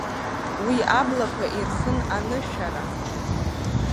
Уи аблақәа ирхын анышәара.